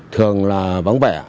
thường là vắng vẻ